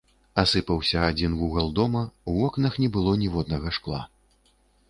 Асыпаўся адзін вугал дома, у вокнах не было ніводнага шкла.